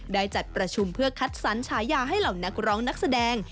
ได้จัดประชุมเพื่อคัดสรรฉายาให้เหล่านักร้องนักแสดง